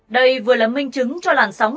đây vừa là minh chứng cho làn sóng